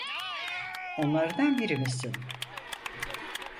Onlardan biri misin?